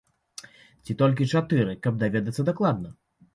Ці толькі чатыры, каб даведацца дакладна?